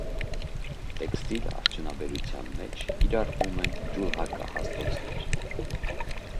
Տեքստիլ արդյունաբերության մեջ կիրառում են ջուլհակահաստոցներ։